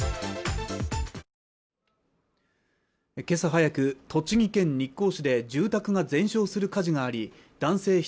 今朝早く栃木県日光市で住宅が全焼する火事があり男性